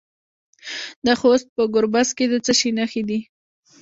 د خوست په ګربز کې د څه شي نښې دي؟